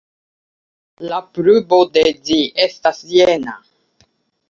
La pruvo de ĝi estas jena.